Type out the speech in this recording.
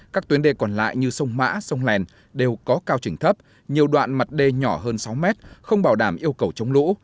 các tuyến đê còn lại như sông mã sông lèn đều có cao trình thấp nhiều đoạn mặt đê nhỏ hơn sáu mét không bảo đảm yêu cầu chống lũ